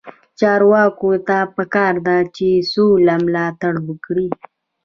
چارواکو ته پکار ده چې، سوله ملاتړ وکړي.